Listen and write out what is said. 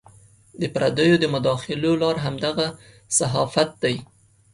د پردیو د مداخلو لار همدغه صحافت دی.